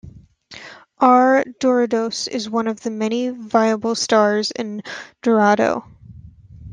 R Doradus is one of the many variable stars in Dorado.